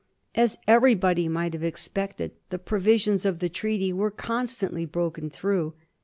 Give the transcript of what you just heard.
As everybody might have expected, the provisions of the treaty were constantly broken through.